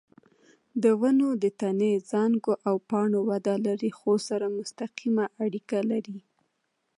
د ونو د تنې، څانګو او پاڼو وده له ریښو سره مستقیمه اړیکه لري.